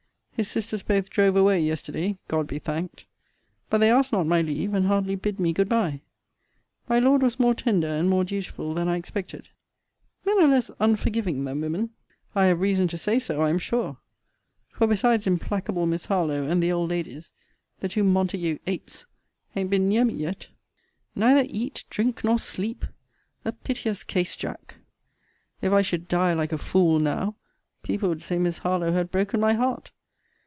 His sisters both drove away yesterday, God be thanked. But they asked not my leave; and hardly bid me good bye. My Lord was more tender, and more dutiful, than I expected. Men are less unforgiving than women. I have reason to say so, I am sure. For, besides implacable Miss Harlowe, and the old Ladies, the two Montague apes han't been near me yet. Neither eat, drink, nor sleep! a piteous case, Jack! If I should die like a fool now, people would say Miss Harlowe had broken my heart.